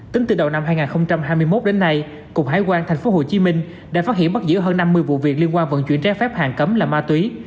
tính từ đầu năm hai nghìn hai mươi một đến nay cục hải quan tp hcm đã phát hiện bắt giữ hơn năm mươi vụ việc liên quan vận chuyển trái phép hàng cấm là ma túy